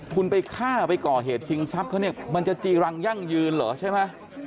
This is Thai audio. คุณไปฆ่าไปก่อเหตุชิงทรัพย์เขาเนี่ยมันจะจีรังยั่งยืนเหรอใช่ไหม